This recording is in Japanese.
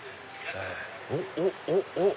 おっおっおっおっ！